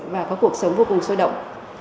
và có cuộc sống vô cùng sôi động